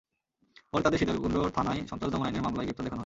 পরে তাঁদের সীতাকুণ্ড থানায় সন্ত্রাস দমন আইনের মামলায় গ্রেপ্তার দেখানো হয়।